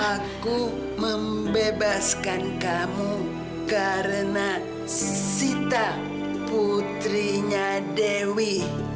aku membebaskan kamu karena sita putrinya dewi